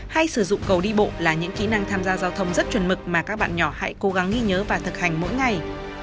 hay sử dụng cầu đi bộ là những kỹ năng tham gia giao thông rất chuẩn mực mà các bạn nhỏ hãy cố gắng ghi nhớ và thực hành mỗi ngày